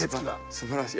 すばらしい。